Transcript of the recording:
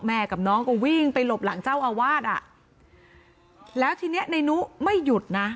กับน้องก็วิ่งไปหลบหลังเจ้าอาวาสอ่ะแล้วทีเนี้ยในนุไม่หยุดนะ